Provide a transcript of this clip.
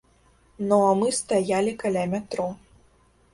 Ну а мы стаялі каля метро.